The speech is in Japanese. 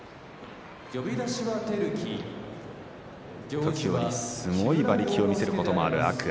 時折すごい馬力を見せることがある天空海。